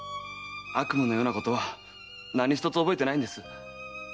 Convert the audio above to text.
悪夢のようなことは何ひとつ覚えてないんです。